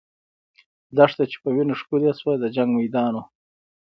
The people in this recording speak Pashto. دښته چې په وینو ښکلې سوه، د جنګ میدان وو.